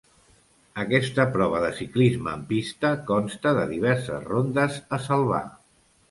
Aquesta prova de ciclisme en pista consta de diverses rondes a salvar.